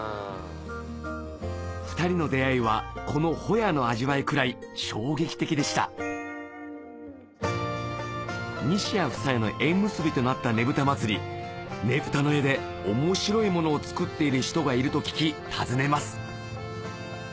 ふたりの出会いはこのホヤの味わいくらい衝撃的でした西谷夫妻の縁結びとなったねぶた祭ねぷたの絵で面白いものを作っている人がいると聞き訪ねます